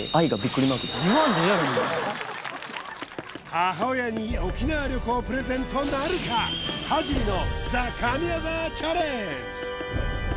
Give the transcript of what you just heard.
母親に沖縄旅行プレゼントなるかいきます